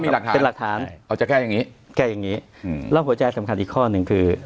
แล้วหัวใจสำคัญอีกข้อนึกคือ